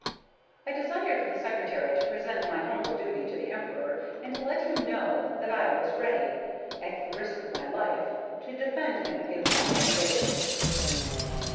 I desired the secretary to present my humble duty to the Emperor, and to let him know that I was ready, at the risk of my life, to defend him against all invaders.